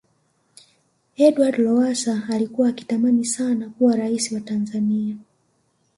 edward lowasa alikuwa akitamani sana kuwa raisi wa tanzania